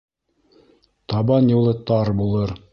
Табан юлы тар булыр.